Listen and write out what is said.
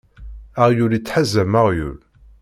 Aɣyul ittḥazam aɣyul.